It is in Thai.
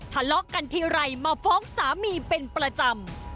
ทะเลาะกันทีไรมาฟ้องสามีเป็นประจำ